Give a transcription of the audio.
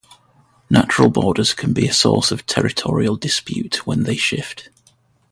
Natural borders can be a source of territorial dispute when they shift.